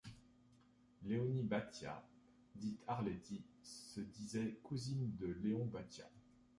Léonie Bathiat, dite Arletty, se disait cousine de Léon Bathiat.